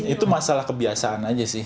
itu masalah kebiasaan saja